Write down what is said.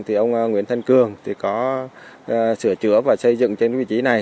thì ông nguyễn thanh cường thì có sửa chữa và xây dựng trên vị trí này